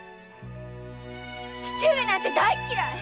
父上なんて大嫌い！